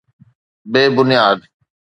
بي بنياد.